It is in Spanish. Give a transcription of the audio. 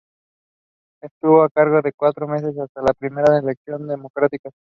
Estuvo en el cargo cuatro meses, hasta las primeras elecciones democráticas.